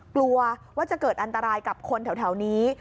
กลัวว่าจะเกิดอันตรายกับคนแถวนี้